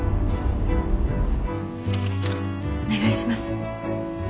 お願いします。